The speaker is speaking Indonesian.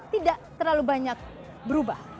tidak terlalu banyak berubah